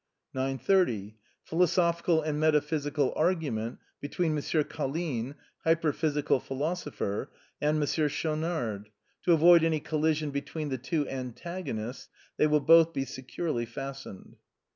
'' 9.30. — Philosophiciil and metaphysical argument between M. Colline hyperphysical philosopher, and M. Schaunard. To avoid any collision between the two antagonists, they will both be securely fastened.